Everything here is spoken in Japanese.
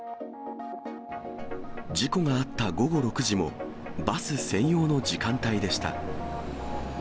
事故があった午後６時も、バス専用の時間帯でした。